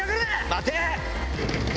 待て！